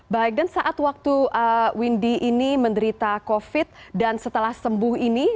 baik dan saat waktu windy ini menderita covid dan setelah sembuh ini